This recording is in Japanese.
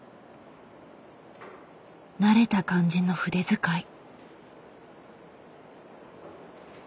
慣れた感じの筆遣い。